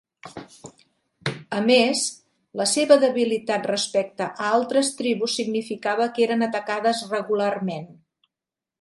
A més, la seva debilitat respecte a altres tribus significava que eren atacades regularment.